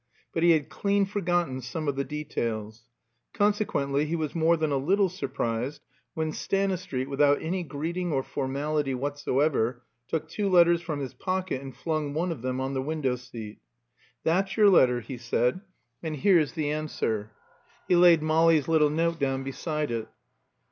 But he had clean forgotten some of the details. Consequently he was more than a little surprised when Stanistreet, without any greeting or formality whatsoever, took two letters from his pocket and flung one of them on the window seat. "That's your letter," he said. "And here's the answer." He laid Molly's little note down beside it.